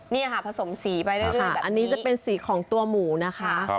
นี่ค่ะผสมสีไปเรื่อยแต่อันนี้จะเป็นสีของตัวหมูนะคะ